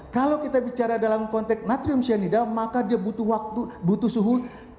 kalau kita bicara dalam konteks natrium cyanida maka dia butuh suhu seribu empat ratus sembilan puluh enam